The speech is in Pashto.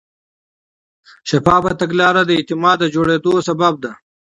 شفافه تګلاره د اعتماد د جوړېدو لامل ده.